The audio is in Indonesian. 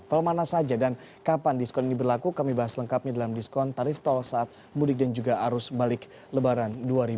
tol mana saja dan kapan diskon ini berlaku kami bahas lengkapnya dalam diskon tarif tol saat mudik dan juga arus balik lebaran dua ribu dua puluh